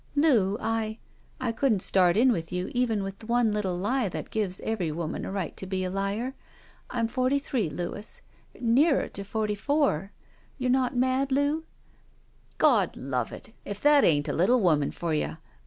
"Loo, I — I couldn't start in with you evai with the one little lie that gives every woman a right to be a liar. I'm forty three, Louis — ^nearer to forty four. You're not mad. Loo?" *' God love it ! If that ain't a little woman for you